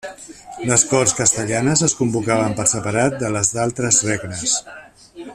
Les corts castellanes es convocaven per separat de les d'altres regnes.